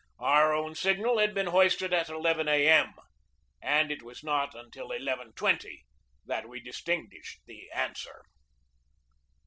Our own signal had been hoisted at n A. M., and it was not until 11.20 that we distinguished the answer.